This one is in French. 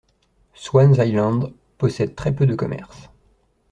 Swan's Island possède très peu de commerces.